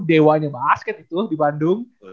dewanya basket itu di bandung